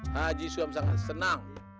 haji sulam sangat senang